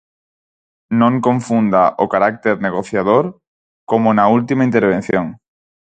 Non confunda o carácter negociador, como na última intervención.